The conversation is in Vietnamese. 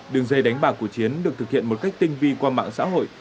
đường dây đánh bạc của chiến được thực hiện một cách tinh vi qua mạng xã hội